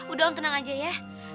udah om tenang aja ya